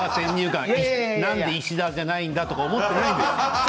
なんで石田じゃないんだとか思ってないです。